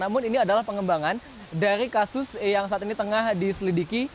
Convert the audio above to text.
namun ini adalah pengembangan dari kasus yang saat ini tengah diselidiki